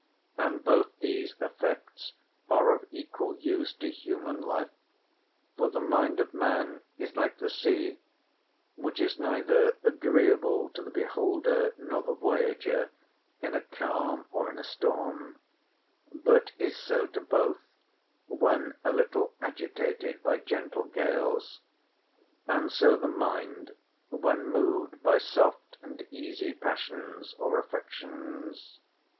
And both these effects are of equal use to human life; for the mind of man is like the sea, which is neither agreeable to the beholder nor the voyager, in a calm or in a storm, but is so to both when a little agitated by gentle gales; and so the mind, when moved by soft and easy passions or affections.